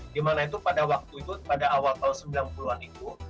dimana itu pada waktu itu pada awal tahun sembilan puluh an itu